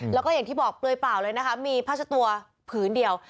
แล้วก็อย่างที่บอกเปลือยเปล่าเลยนะคะมีผ้าชะตัวผืนเดียว